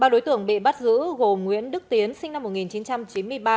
ba đối tượng bị bắt giữ gồm nguyễn đức tiến sinh năm một nghìn chín trăm chín mươi ba